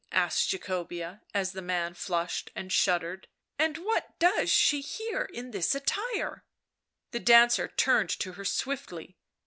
asked Jacobea, as the man flushed and shuddered. " And what does she here in this attire?" The dancer turned to her swiftly.